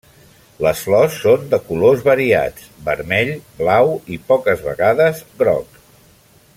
Les flors són de colors variats vermell, blau i poques vegades groc.